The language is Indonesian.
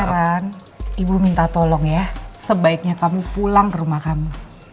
saran ibu minta tolong ya sebaiknya kamu pulang ke rumah kamu